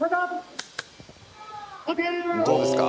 どうですか？